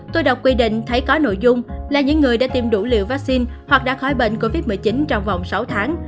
tôi đọc quy định thấy có nội dung là những người đã tiêm đủ liều vaccine hoặc đã khỏi bệnh covid một mươi chín trong vòng sáu tháng